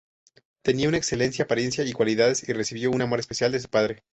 Tenía una excelente apariencia y cualidades, y recibió un amor especial de su padre.